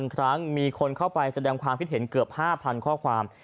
ครั้งมีคนเข้าไปแสดงความคิดเห็นเกือบ๕๐๐ข้อความ